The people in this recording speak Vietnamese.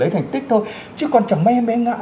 lấy thành tích thôi chứ còn chẳng may mẽ ngã